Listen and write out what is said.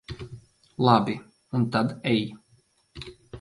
Labi, un tad ej.